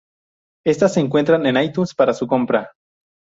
Estas se encuentran en iTunes para su Compra.